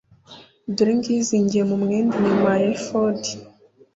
dore ngiyi izingiye mu mwenda inyuma ya efodi.